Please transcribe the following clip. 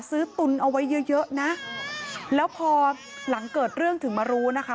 ตุนเอาไว้เยอะเยอะนะแล้วพอหลังเกิดเรื่องถึงมารู้นะคะ